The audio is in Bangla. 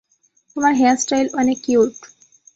তোমার হেয়ার স্টাইল অনেক কিউট।